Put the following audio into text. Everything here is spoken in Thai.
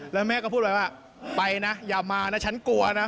แล้วแม่ก็พูดไปว่าไปนะอย่ามานะฉันกลัวนะ